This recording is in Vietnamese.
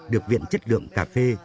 được viện chất lượng cà phê